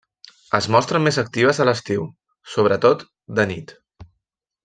Es mostren més actives a l'estiu, sobretot de nit.